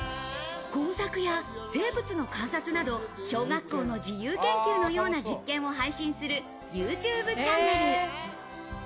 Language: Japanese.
工作や生物の観察など、小学校の自由研究のような実験を配信するＹｏｕＴｕｂｅチャンネル。